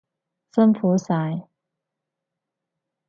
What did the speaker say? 辛苦晒！